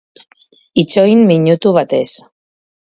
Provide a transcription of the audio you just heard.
Itxoin minutu batez.